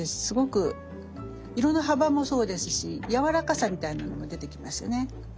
すごく色の幅もそうですしやわらかさみたいなのも出てきますね。